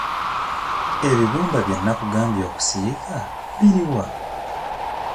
Ebibumba bye nnakugambye okusiika biri wa?